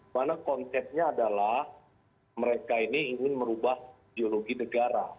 mana konsepnya adalah mereka ini ingin merubah ideologi negara